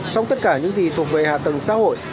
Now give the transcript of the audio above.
xong tất cả những gì thuộc về hạ tầng xã hội